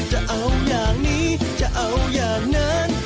จะเอาอย่างนี้จะเอาอย่างนั้น